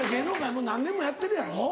もう何年もやってるやろ。